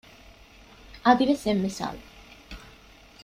އަދިވެސް އެއް މިސާލު